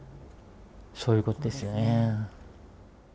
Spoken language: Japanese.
そういうことですよね。